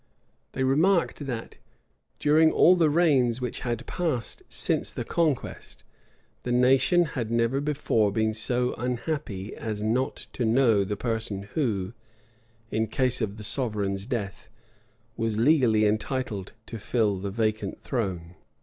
They remarked, that, during all the reigns which had passed since the conquest, the nation had never before been so unhappy as not to know the person who, in case of the sovereign's death, was legally entitled to fill the vacant throne.